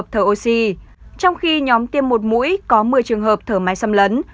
trong khi nhóm tiêm một mũi có một mươi trường hợp thở máy xâm lấn